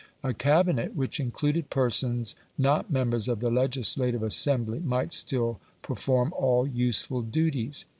A Cabinet which included persons not members of the legislative assembly might still perform all useful duties.